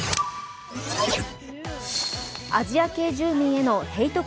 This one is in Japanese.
アジア系住民へのヘイト